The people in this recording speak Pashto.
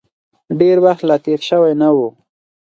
ډېر وخت لا تېر شوی نه و.